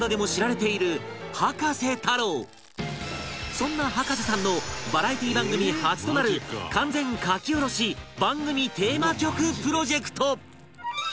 そんな葉加瀬さんのバラエティ番組初となる完全書き下ろし番組テーマ曲プロジェクト